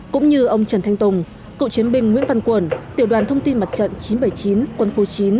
cũng như ông trần thanh tùng cựu chiến binh nguyễn văn quẩn tiểu đoàn thông tin mặt trận chín trăm bảy mươi chín quân khu chín